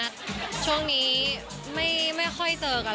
กับโดนัทช่วงนี้ไม่ค่อยเจอกันแล้วนะ